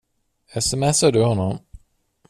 Sms:ar du honom?